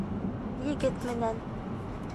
Егет менән.